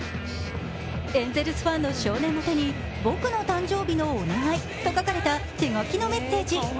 エンゼルスファンの少年の手にボクの誕生日のお願いと書かれた手書きのメッセージ。